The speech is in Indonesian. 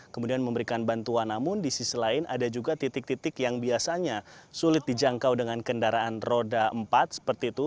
kemudian memberikan bantuan namun di sisi lain ada juga titik titik yang biasanya sulit dijangkau dengan kendaraan roda empat seperti itu